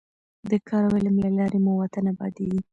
د کار او علم له لارې مو وطن ابادېږي.